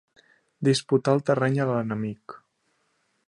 Disputar el terreny a l'enemic.